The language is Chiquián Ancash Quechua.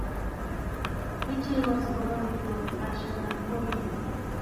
Yachaywasi wamrakunam ashanakuyan.